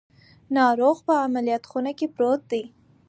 ناروغ په عملیاتو خونه کې پروت دی.